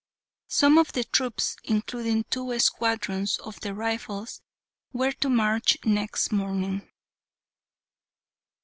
Some of the troops, including two squadrons of the Rifles, were to march next morning.